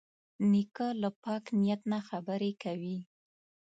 نیکه له پاک نیت نه خبرې کوي.